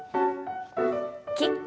キック。